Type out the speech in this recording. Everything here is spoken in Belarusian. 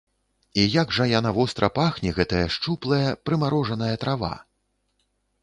І як жа яна востра пахне, гэтая шчуплая, прымарожаная трава!